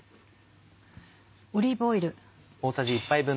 オリーブオイル。